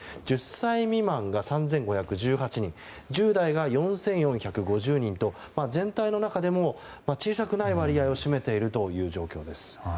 １０歳未満が３５１８人１０代が４４５０人と全体の中でも小さくない割合を占めているという状況です。